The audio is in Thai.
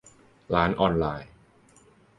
ร้านออนไลน์